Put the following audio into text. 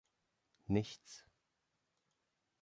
Nichts.